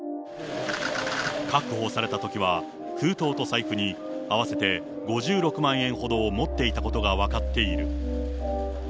確保されたときは、封筒と財布に合わせて５６万円ほどを持っていたことが分かっている。